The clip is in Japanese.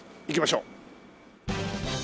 行きましょう。